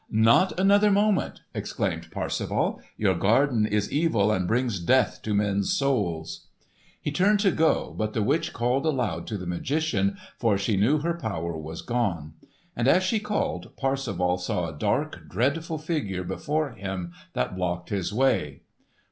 "Not another moment!" exclaimed Parsifal. "Your garden is evil and brings death to men's souls." He turned to go, but the witch called aloud to the magician, for she knew her power was gone. And as she called, Parsifal saw a dark, dreadful figure before him that blocked his way.